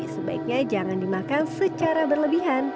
sebaiknya jangan dimakan secara berlebihan